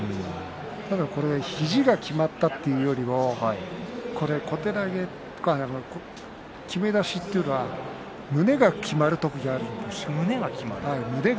ただ肘がきまったというよりはきめ出しというのは胸がきまる時があるんですよ。